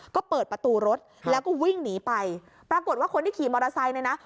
ก็เปิดประตูรถแล้วก็วิ่งหนีไปปรากฏว่าคนที่ขี่มอเตอร์ไซค์เนี่ยนะ